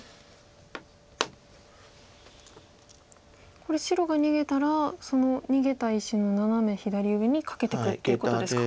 これ白が逃げたらその逃げた石のナナメ左上にカケていくってことですか。